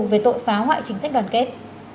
về tội phá hoại chính sách đoàn kết